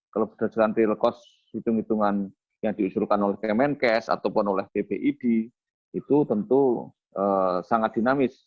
kalau berdasarkan real cost hitung hitungan yang diusulkan oleh kemenkes ataupun oleh bpid itu tentu sangat dinamis